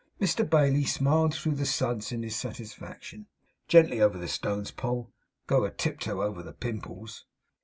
Mr Bailey smiled through the suds in his satisfaction. 'Gently over the stones, Poll. Go a tip toe over the pimples!